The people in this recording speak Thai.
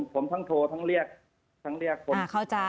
ผมทั้งโทรทั้งเรียก